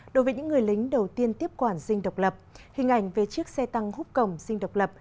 đối với những người lính đầu tiên tiếp quản dinh độc lập hình ảnh về chiếc xe tăng hút cổng dinh độc lập